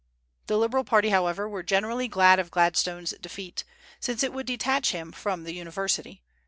The Liberal party, however, were generally glad of Gladstone's defeat, since it would detach him from the University.